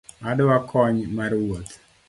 Adwa kony mar wuoth.